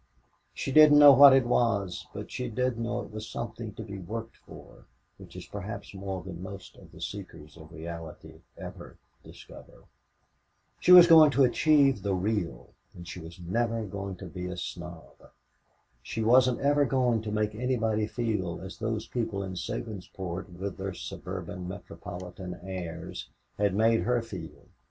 She didn't know what it was, but she did know it was something to be worked for which is perhaps more than most of the seekers of reality ever discover. She was going to achieve the "real" and she was never going to be a snob. She wasn't ever going to make anybody feel as those people in Sabinsport, with their suburban, metropolitan airs, had made her feel.